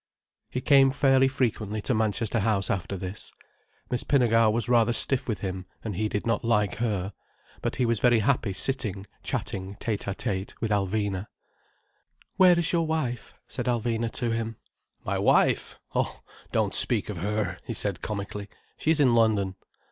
He came fairly frequently to Manchester House after this. Miss Pinnegar was rather stiff with him and he did not like her. But he was very happy sitting chatting tête à tête with Alvina. "Where is your wife?" said Alvina to him. "My wife! Oh, don't speak of her," he said comically. "She's in London."